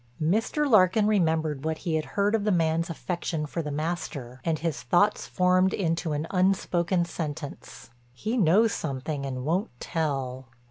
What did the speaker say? Mr. Larkin remembered what he had heard of the man's affection for the master, and his thoughts formed into an unspoken sentence, "He knows something and won't tell."